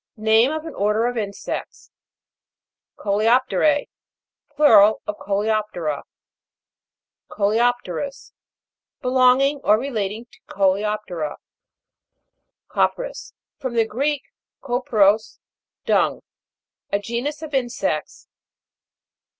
Name of an order of insects. COLEOP'TER^E. Plural of Coleop'tera. COLEOP'TEROUS. Belonging or re lating to Coleop'tera. CO'PRIS. From the Greek, kopros, dung. A genus of insects.